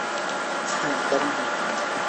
হ্যাঁ, দারুণ হয়েছে!